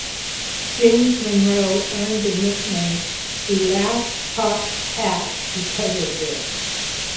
James Monroe earned the nickname "The Last Cocked Hat" because of this.